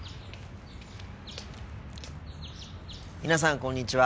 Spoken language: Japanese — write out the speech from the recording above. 皆さんこんにちは。